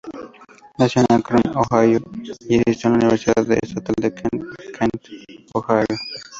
Nació en Akron, Ohio, y asistió a la Universidad Estatal Kent en Kent, Ohio.